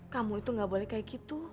kamu itu gak boleh kayak gitu